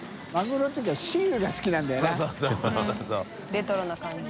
レトロな感じ。